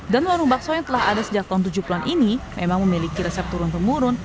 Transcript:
dan warung bakso yang telah ada sejak tahun tujuh puluh an ini memang memiliki resep turun temurun